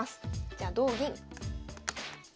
じゃ同銀。